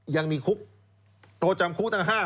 ยังมีคุกโตจำคุกตั้ง๕ปีนะ